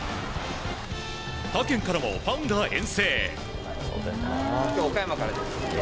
他県からもファンが遠征。